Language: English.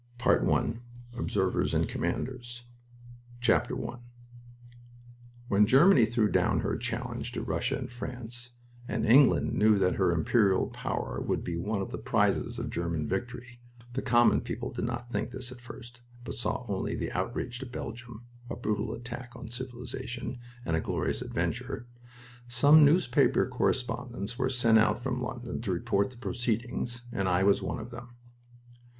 PART ONE. OBSERVERS AND COMMANDERS I When Germany threw down her challenge to Russia and France, and England knew that her Imperial power would be one of the prizes of German victory (the common people did not think this, at first, but saw only the outrage to Belgium, a brutal attack on civilization, and a glorious adventure), some newspaper correspondents were sent out from London to report the proceedings, and I was one of them.